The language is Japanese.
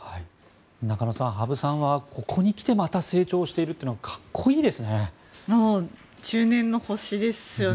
中野さん、羽生さんはここに来てまた成長しているというのはかっこいいですね。